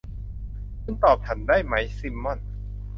คุณตอบฉันได้ไหม ซิมม่อน